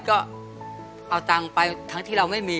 ก็เอาตังค์ไปทั้งที่เราไม่มี